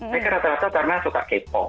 mereka rata rata karena suka k pop